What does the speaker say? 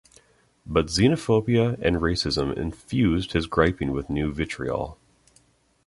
But xenophobia and racism infused his griping with new vitriol.